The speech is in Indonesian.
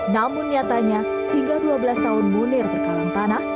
namun nyatanya hingga dua belas tahun munir berkalang tanah